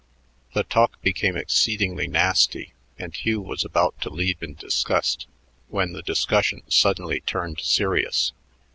The talk became exceedingly nasty, and Hugh was about to leave in disgust when the discussion suddenly turned serious.